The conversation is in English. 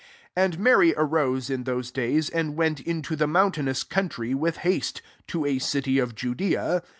39 And Mary arose m those daysy and went into the mountain' ous country with haste^ to a city ^Judeq.